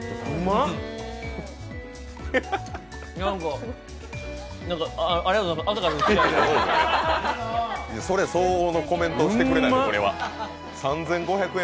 ３５００円のコメントしてくれないとこれは。